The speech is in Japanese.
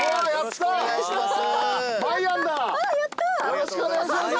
よろしくお願いします。